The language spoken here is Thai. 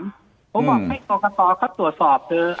ผมบอกให้กรกตเขาตรวจสอบเถอะ